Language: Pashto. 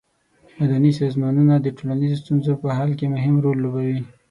مدني سازمانونه د ټولنیزو ستونزو په حل کې مهم رول لوبوي.